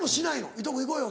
「伊藤君行こうよ」